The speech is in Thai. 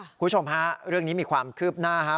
คุณผู้ชมฮะเรื่องนี้มีความคืบหน้าฮะ